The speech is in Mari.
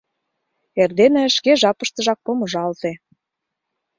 Эрдене шке жапыштыжак помыжалте.